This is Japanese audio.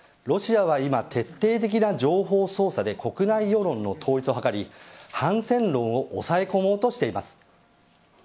ロシアは今徹底的な情報操作で国内世論の統一を図り反戦論を抑え込もうとしています。